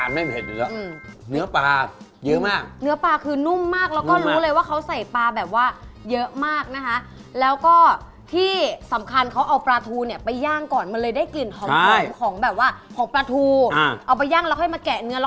แน่นแน่นแน่นแน่นแน่นแน่นแน่นแน่นแน่นแน่นแน่นแน่นแน่นแน่นเนื้อ